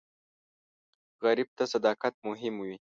غریب ته صداقت مهم وي